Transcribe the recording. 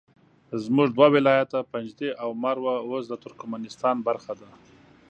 زموږ دوه ولایته پنجده او مروه اوس د ترکمنستان برخه ده